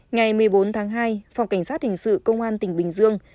ngày một mươi bốn tháng hai phòng cảnh sát hình sự công an tỉnh bình dương